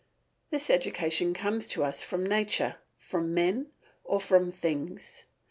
This education comes to us from nature, from men, or from things.